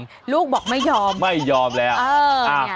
ไม่ได้ลูกบอกไม่ยอมไม่ยอมแหละ